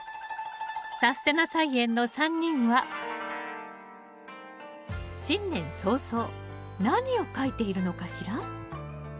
「さすてな菜園」の３人は新年早々何を書いてるのかしら？